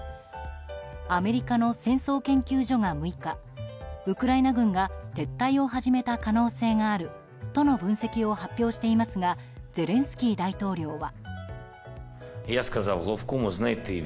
アメリカの戦争研究所が６日ウクライナ軍が撤退を始めた可能性があるとの分析を発表していますがゼレンスキー大統領は。